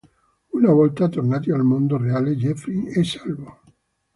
Una volta tornati al mondo reale, Jeffrey è salvo.